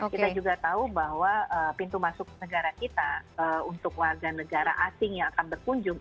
kita juga tahu bahwa pintu masuk negara kita untuk warga negara asing yang akan berkunjung